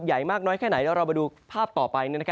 ใหญ่มากน้อยแค่ไหนแล้วเรามาดูภาพต่อไป